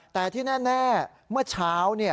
แต่ที่แน่เมื่อเช้า